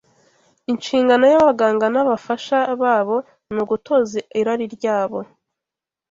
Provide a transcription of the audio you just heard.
Inshingano y’abaganga n’abafasha babo ni ugutoza irari ryabo